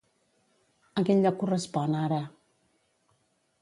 A quin lloc correspon ara?